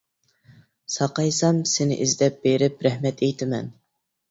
ساقايسام سېنى ئىزدەپ بېرىپ رەھمەت ئېيتىمەن!